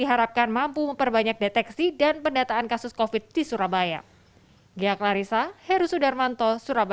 yang mampu memperbanyak deteksi dan pendataan kasus covid di surabaya dia clarissa herusudarmanto